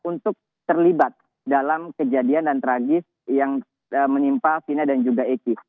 untuk terlibat dalam kejadian dan tragis yang menimpa fina dan juga eki